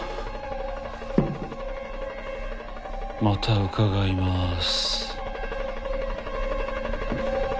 また伺いまーす。